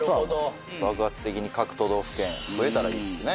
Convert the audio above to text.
爆発的に各都道府県増えたらいいですね。